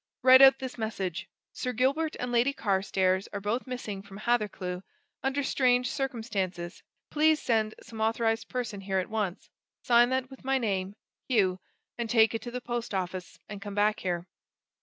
"Write out this message: 'Sir Gilbert and Lady Carstairs are both missing from Hathercleugh under strange circumstances please send some authorized person here at once.' Sign that with my name, Hugh and take it to the post office, and come back here."